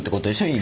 今。